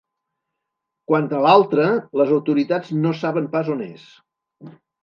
Quant a l’altre, les autoritats no saben pas on és.